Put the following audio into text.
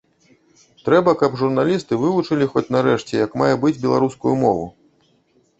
Трэба, каб журналісты вывучылі хоць, нарэшце, як мае быць беларускую мову.